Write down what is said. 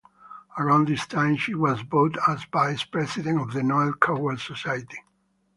Around this time, she was voted as vice president of the Noel Coward Society.